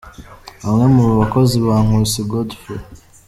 Bamwe mu bakoze ba Nkusi Godfrey.